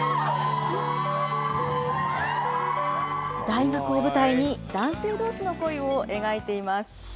大学を舞台に、男性どうしの恋を描いています。